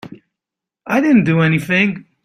I didn't do anything.